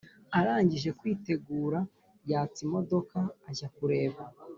arangije kwitegura yatsa imodoka ajya kureba